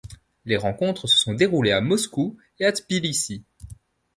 Les rencontres se sont déroulées à Moscou et Tbilissi.